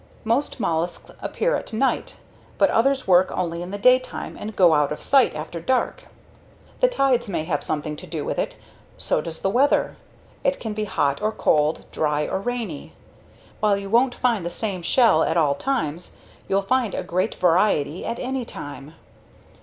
Most mollusks appear at night, but others work only in the daytime and go out of sight after dark. The tides may have something to do with it. So does the weather it can be hot or cold, dry or rainy. While you won't find the same shell at all times, you'll find a great variety at any time.